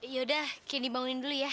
yaudah kini bangunin dulu ya